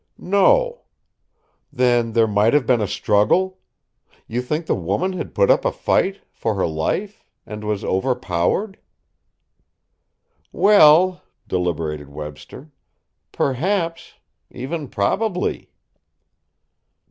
"No. Then, there might have been a struggle? You think the woman had put up a fight for her life? and was overpowered?" "Well," deliberated Webster, "perhaps; even probably."